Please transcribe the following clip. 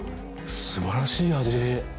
すばらしい味。